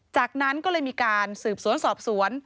จากนั้นก็เลยมีการสืบสวนสอบสวน